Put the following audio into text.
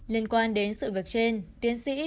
liên quan đến sự việc trên tiến sĩ